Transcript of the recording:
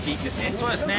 そうですね。